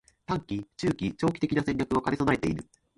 ③ 短期、中期、長期的な戦略を兼ね備えている